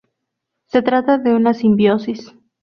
Se trata de una simbiosis.